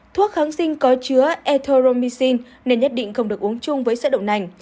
thuốc kháng sinh có chứa ethermicin nên nhất định không được uống chung với sữa đậu nành